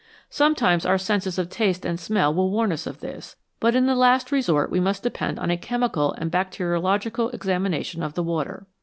Sometimes our senses of taste and smell will warn us of this, but in the last resort we must depend on a chemical and bacteriological examination of the water.